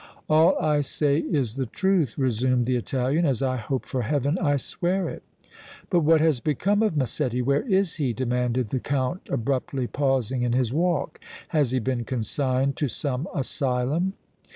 "All I say is the truth," resumed the Italian. "As I hope for Heaven I swear it!" "But what has become of Massetti? Where is he?" demanded the Count, abruptly pausing in his walk. "Has he been consigned to some asylum?"